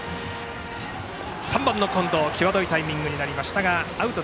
３番の近藤際どいタイミングですがアウト。